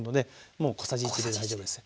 もう小さじ１で大丈夫です。